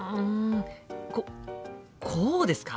ここうですか？